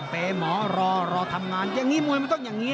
หมอรอรอทำงานอย่างนี้มวยมันต้องอย่างนี้